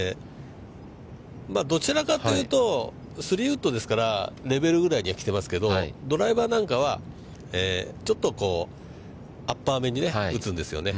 どちらかというと、３番ウッドですからレベルぐらいには来てますけど、ドライバーなんかは、ちょっとこうアッパーめに打つんですよね。